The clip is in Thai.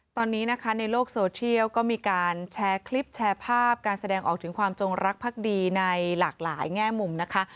ตอนนี้นะคะในโลกโซเชียลก็มีการแชร์คลิปแชร์ภาพการแสดงออกถึงความจงรักภักดีในหลากหลายแง่มุมนะคะ